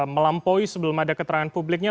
melampaui sebelum ada keterangan publiknya